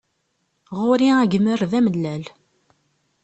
Ɣur-i agmer d amellal.